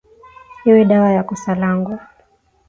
Iwe dawa ya kosa langu